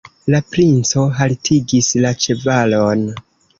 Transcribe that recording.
La princo haltigis la ĉevalon.